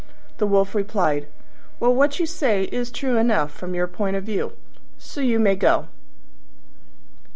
The Wolf replied, "Well, what you say is true enough from your point of view; so you may go."